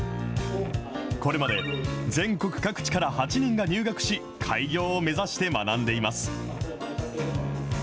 これまで全国各地から８人が入学し、開業を目指して学んでいます。